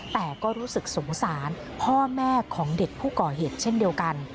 แต่ก็รู้สึกสงสารพ่อแม่ของเด็กผู้ก่อเหตุเช่นเดียวกัน